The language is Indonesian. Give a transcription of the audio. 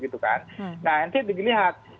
nah nanti dilihat